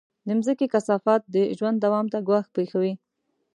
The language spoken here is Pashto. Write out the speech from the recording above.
د مځکې کثافات د ژوند دوام ته ګواښ پېښوي.